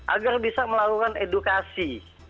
agar bisa melakukan edukasi